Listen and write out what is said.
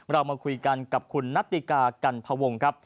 เรามาคุยกันกับคุณนัตติกากันพวงครับ